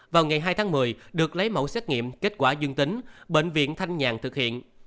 vào ngày hai tháng một mươi được lấy mẫu xét nghiệm kết quả dương tính bệnh viện thanh nhàn thực hiện